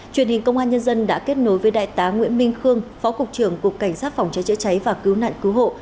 truyền hình công an nhân dân đã kết nối với đại tá nguyễn minh khương phó cục trưởng cục cảnh sát phòng cháy chữa cháy và cứu nạn cứu hộ